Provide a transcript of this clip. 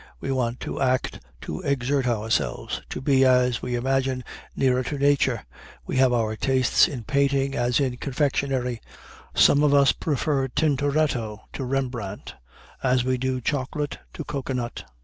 We want to act, to exert ourselves, to be, as we imagine, nearer to nature. We have our tastes in painting as in confectionery. Some of us prefer Tintoretto to Rembrandt, as we do chocolate to cocoanut.